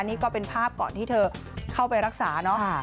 นี่ก็เป็นภาพก่อนที่เธอเข้าไปรักษาเนาะ